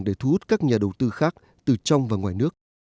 để thu hút các nhà đầu tư khác từ trong và ngoài nước